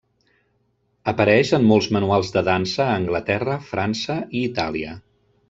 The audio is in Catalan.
Apareix en molts manuals de dansa a Anglaterra, França i Itàlia.